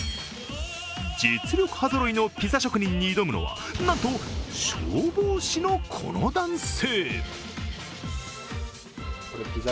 実力派ぞろいのピザ職人に挑むのはなんと消防士のこの男性。